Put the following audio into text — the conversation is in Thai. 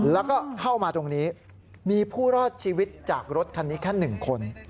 แล้วก็เข้ามาตรงนี้มีผู้รอดชีวิตจากรถคันนี้แค่๑คน